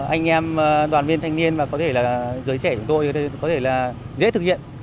anh em đoàn viên thanh niên và có thể là giới trẻ chúng tôi có thể là dễ thực hiện